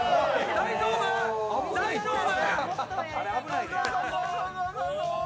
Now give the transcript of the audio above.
大丈夫！？